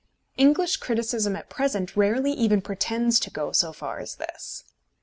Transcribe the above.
English criticism at present rarely even pretends to go so far as this.